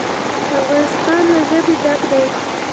افغانستان له ژبې ډک دی.